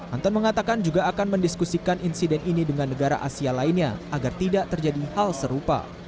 anton mengatakan juga akan mendiskusikan insiden ini dengan negara asia lainnya agar tidak terjadi hal serupa